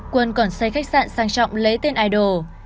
quân còn xây khách sạn sang trọng lấy tên idol